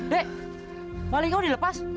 dek maling kamu dilepas